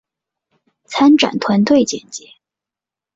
参展团队简介